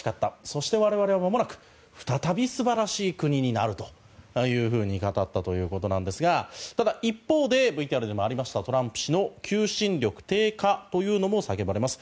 そして我々はまもなく再び素晴らしい国になるというふうに語ったということですがただ、一方でＶＴＲにもありましたがトランプ氏の求心力低下というのも叫ばれます。